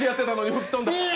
吹き飛んだ！